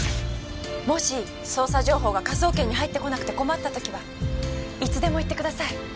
もし捜査情報が科捜研に入ってこなくて困った時はいつでも言ってください。